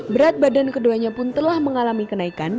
berat badan keduanya pun telah mengalami kenaikan